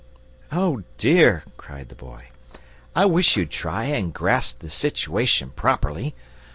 "Oh, dear!" cried the boy, "I wish you'd try and grasp the situation properly.